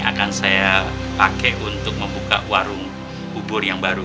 akan saya pakai untuk membuka warung bubur yang baru